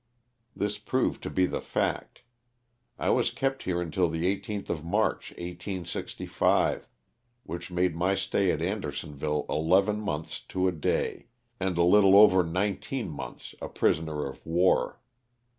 This proved to be the fact. I was kept here until the 18th of March, 18G5, which made my stay at Anderson ville eleven months to a day, and a little over nineteen months a prisoner of war.